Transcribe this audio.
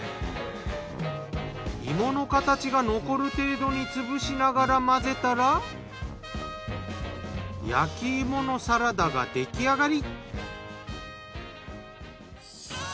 芋の形が残る程度につぶしながら混ぜたら焼き芋のサラダが出来上がり。